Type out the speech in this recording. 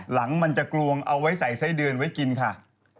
หลังมันจะกลวงเอาไว้ใส่ไส้เดือนไว้กินค่ะ